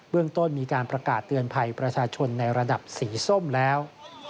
เรื่องต้นมีการประกาศเตือนภัยประชาชนในระดับสีส้มแล้ว